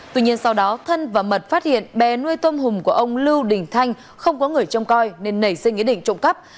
tuy nhiên sau đó thân và mật phát hiện bè nuôi tôm hùm của ông lưu đình thanh không có người trông coi nên nảy sinh ý định trộm cắp